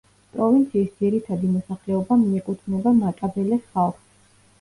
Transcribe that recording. პროვინციის ძირითადი მოსახლეობა მიეკუთვნება მატაბელეს ხალხს.